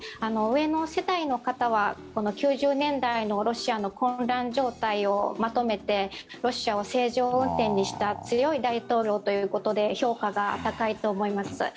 上の世代の方は９０年代のロシアの混乱状態をまとめてロシアを正常運転にした強い大統領ということで評価が高いと思います。